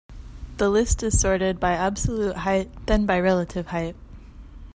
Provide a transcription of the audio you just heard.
The list is sorted by absolute height, then by relative height.